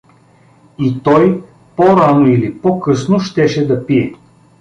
И той — по-рано или по-късно — щеше да пие.